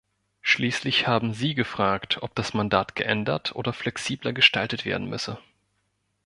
Schließlich haben Sie gefragt, ob das Mandat geändert oder flexibler gestaltet werden müsse.